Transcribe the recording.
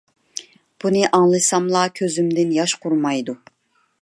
بۇنى ئاڭلىساملا كۆزۈمدىن ياش قۇرۇمايدۇ.